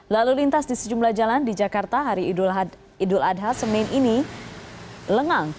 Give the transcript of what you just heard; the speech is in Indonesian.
lalu lintas di sejumlah jalan di jakarta hari idul adha senin ini lengang